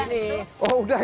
pasar buah brastagi